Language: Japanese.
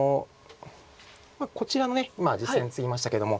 こちら今実戦ツギましたけども。